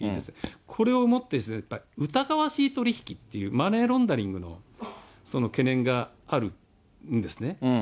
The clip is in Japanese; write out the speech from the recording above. これを持ってして、やっぱり疑わしい取り引きっていう、マネーロンダリングの懸念があるんですね。